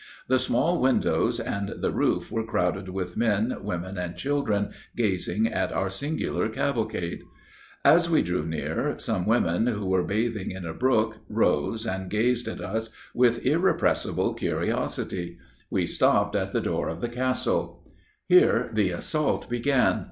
The small windows and the roof were crowded with men, women, and children, gazing at our singular cavalcade. As we drew near, some women who were bathing in a brook, rose, and gazed at us with irrepressible curiosity. We stopped at the door of the castle. "Here the assault began.